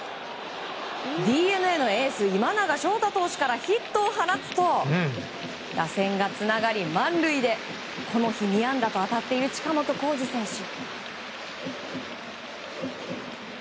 ＤｅＮＡのエース今永昇太投手からヒットを放つと打線がつながり、満塁でこの日２安打と当たっている近本光司選手。